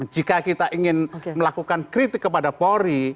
jika kita ingin melakukan kritik kepada polri